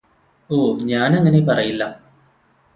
ഓ ഞാനങ്ങനെ പറയില്ല